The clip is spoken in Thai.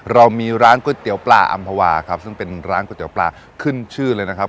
เรามีร้านก๋วยเตี๋ยวปลาอำภาวาครับซึ่งเป็นร้านก๋วยเตี๋ยวปลาขึ้นชื่อเลยนะครับ